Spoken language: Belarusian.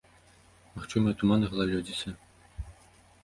Магчымыя туман і галалёдзіца.